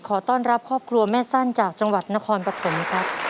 ขอต้อนรับครอบครัวแม่สั้นจากจังหวัดนครปฐมครับ